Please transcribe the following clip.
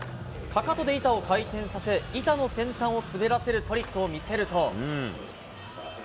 かかとで板を回転させ、板の先端を滑らせるトリックを見せると。